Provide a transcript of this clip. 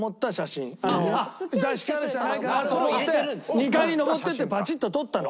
２階に上っていってバチッと撮ったの。